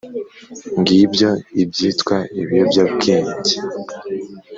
ngibyo ibyitwa ibiyobyabwenge.